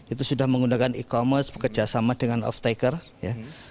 itu sudah menggunakan e commerce bekerja sama dengan off taker ya